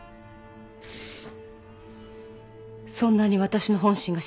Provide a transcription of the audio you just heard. そんなに私の本心が知りたいの？